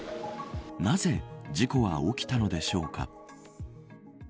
なぜ事故は起きたのでしょうか。